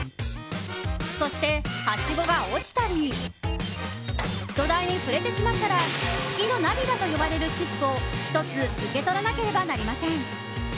そして、はしごが落ちたり土台に触れてしまったら月の涙と呼ばれるチップを１つ受け取らなければなりません。